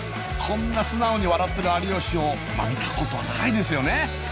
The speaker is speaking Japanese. こんな素直に笑ってる有吉を見たことないですよね！？